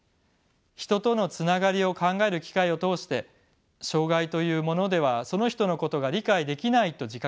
人とのつながりを考える機会を通して障がいというものではその人のことが理解できないと自覚できる。